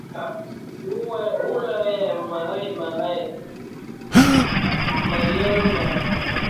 Wu lè yè murèn muren meghel me.